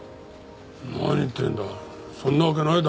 何言ってんだ。